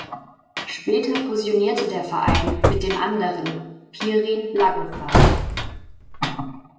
Später fusionierte der Verein mit dem anderen Pirin Blagoewgrad.